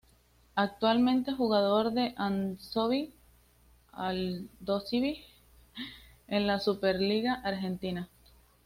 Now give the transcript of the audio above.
Actualmente jugador de Aldosivi de la Superliga Argentina.